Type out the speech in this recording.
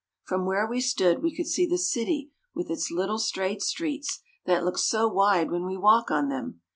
From where we stood, we could see the city with its little straight streets, that look so wide when we walk on them.